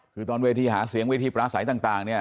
คือตอนเวทีหาเสียงเวทีปลาใสต่างเนี่ย